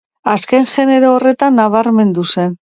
Azken genero horretan nabarmendu zen.